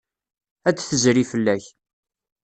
Ad d-tezri fell-ak.